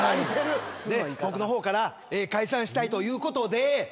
で僕の方から解散したいということで。